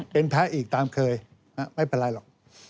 เป็นพระอีกตามเคยไม่เป็นไรหรอก